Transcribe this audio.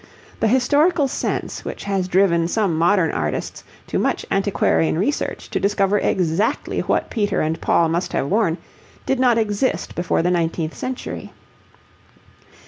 The historical sense, which has driven some modern artists to much antiquarian research to discover exactly what Peter and Paul must have worn, did not exist before the nineteenth century.